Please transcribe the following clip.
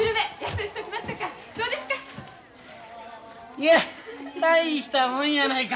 いや大したもんやないか。